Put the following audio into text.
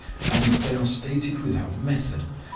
And they are stated without method.